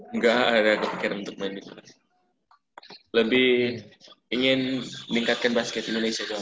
enggak ada kepikiran untuk main di kelas lebih ingin meningkatkan basket indonesia